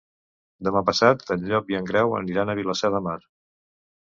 Demà passat en Llop i en Grau aniran a Vilassar de Mar.